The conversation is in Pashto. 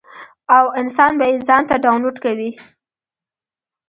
او انسان به ئې ځان ته ډاونلوډ کوي -